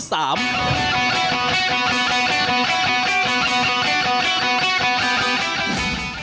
อันดับที่๔เป็นลูกยิ่งสุดคลาสสิค